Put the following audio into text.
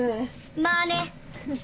まあね。